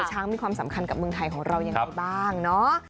ช้างมีความสำคัญกับเมืองไทยของเรายังไงบ้างเนาะ